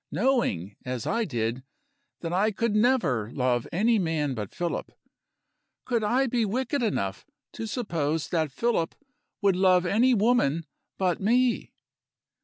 knowing, as I did, that I could never love any man but Philip, could I be wicked enough to suppose that Philip would love any woman but me?